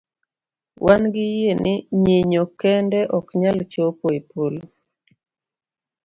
Wan gi yie ni nyinyo kende oknyal chopo epolo .